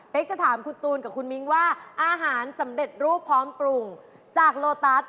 เป็นจะถามคุณตูนกับคุณมิ้งว่าอาหารสำเร็จรูปพร้อมปรุงจากโลตัส